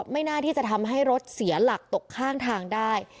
ไม่น่าที่จะทำให้รถเสียหลักตกข้างทางได้